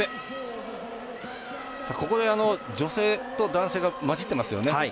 ここで女性と男性が混じってますよね。